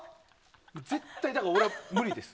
絶対、だから俺は無理です。